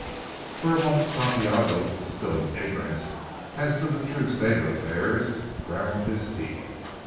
For a moment Santiago (still in ignorance as to the true state of affairs), ground his teeth.